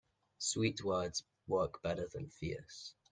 Sweet words work better than fierce.